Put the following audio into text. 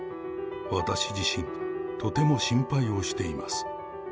私自身、とても心配をしています。